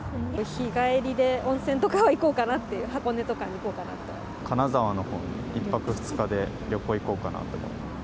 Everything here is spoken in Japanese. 日帰りで温泉とかは行こうかなって、金沢のほうに、１泊２日で旅行行こうかなと思ってます。